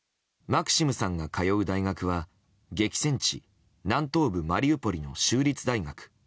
マクシムさんが通う大学は激戦地、南東部マリウポリの州立大学。